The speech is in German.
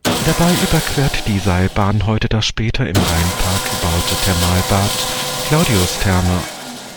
Dabei überquert die Seilbahn heute das später im Rheinpark gebaute Thermalbad „Claudius Therme“.